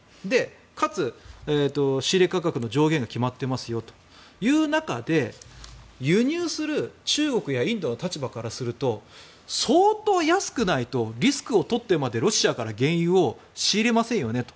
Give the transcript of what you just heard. かつ、仕入れ価格の上限が決まっていますよという中で輸入する中国やインドの立場からすると相当安くないとリスクをとってまでロシアから原油を仕入れませんよねと。